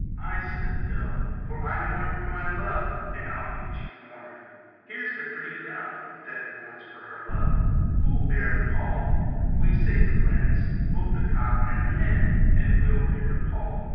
I, said the Dove; For I mourn for my love; And I'll be chief mourner. Here's the pretty Dove, That mourns for her love. Who'll bear the pall? We, say the Wrens, Both the cock and the hen, And we'll bear the pall.